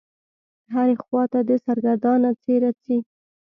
خو هرې خوا ته سرګردانه څي رڅي.